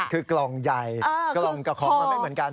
คือกล่องใหญ่กล่องกับของมันไม่เหมือนกัน